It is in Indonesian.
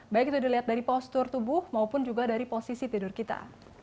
baik itu dilihat dari postur tubuh maupun juga dari posisi tidur kita